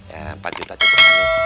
ya empat juta cukup